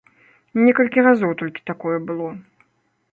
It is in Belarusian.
Некалькі разоў толькі такое было.